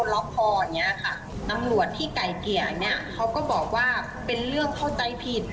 แล้วตัวแฟนเก่า